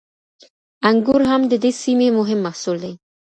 انګور هم د دې سیمې مهم محصول دی.